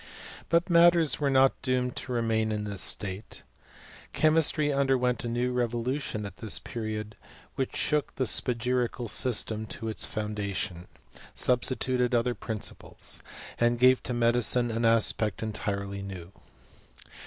But matters were not doomed to remain in this state. Cliemiatry under went a new revolution at this period, which shook the Spagirical system to its foundation; substituted other principles, and gave to medicine an aspect entirely new.